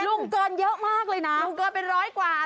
ลุงเกินเยอะมากเลยนะลุงเกินเป็นร้อยกว่า